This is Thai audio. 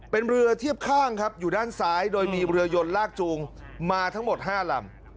เป็นเรือเทียบข้างครับอยู่ด้านซ้ายโดยมีเรือยนลากจูงมาทั้งหมด๕ลำ